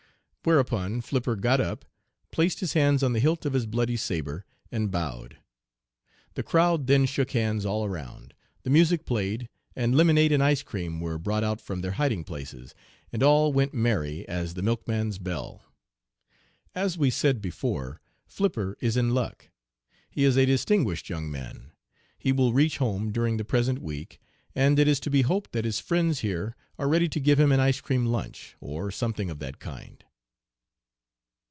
Whereupon Flipper got up, placed his hands on the hilt of his bloody sabre, and bowed. The crowd then shook hands all around, the music played, and lemonade and ice cream were brought out from their hiding places, and all went merry as the milkman's bell. As we said before, Flipper is in luck. He is a distinguished. young man. He will reach home during the present week, and it is to be hoped that his friends here are ready to give him an ice cream lunch, or something of that kind."